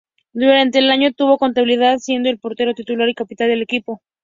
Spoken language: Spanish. Durante el año tuvo continuidad, siendo el portero titular y capitán del equipo.